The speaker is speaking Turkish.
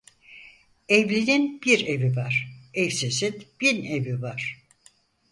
Evlinin bir evi var, evsizin bin evi var.